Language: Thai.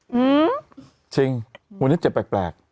หือจริงวันนี้เจ็บแปลกแปลก